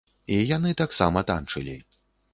І яны таксама танчылі.